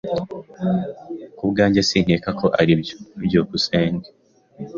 Ku bwanjye, sinkeka ko aribyo. byukusenge